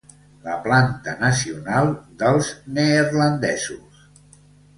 La planta nacional dels neerlandesos.